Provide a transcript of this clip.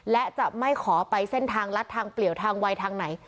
และจะไม่ขอไปเส้นทางลัดทางเปลี่ยวทางไวทางไหน